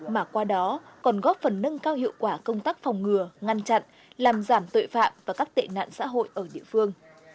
mà qua đó còn góp phần nâng cao hiệu quả công tác phòng ngừa ngăn chặn làm giảm tội phạm và các tệ nạn xã hội ở địa phương